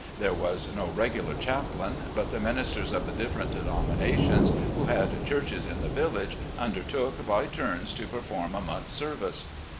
There was no regular chaplain, but the ministers of the different denominations who had churches in the village undertook, by turns, to perform a month's service.